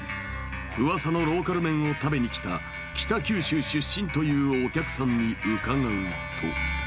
うわさのローカル麺を食べに来た、北九州出身というお客さんに伺うと。